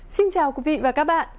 xin chào quý vị và các bạn